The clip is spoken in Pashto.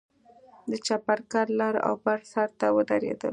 د چپرکټ لر او بر سر ته ودرېدل.